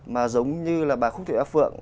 mà giống như là bà khúc thị a phượng